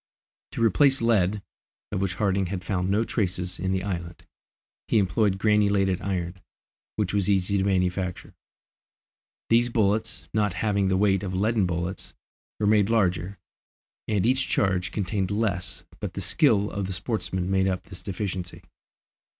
To replace lead, of which Harding had found no traces in the island, he employed granulated iron, which was easy to manufacture. These bullets, not having the weight of leaden bullets, were made larger, and each charge contained less, but the skill of the sportsmen made up this deficiency.